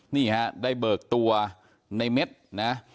นี่ฮะได้เบิกตัวในเม็ดนะ